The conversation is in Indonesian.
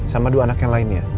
sama dua anak yang lainnya